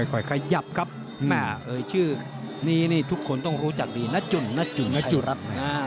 ค่อยขยับครับแม่เอ่ยชื่อนี้นี่ทุกคนต้องรู้จักดีนะจุ่นนะจุ่นนะจุรัฐ